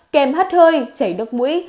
kèm hắt hơi chảy nước mũi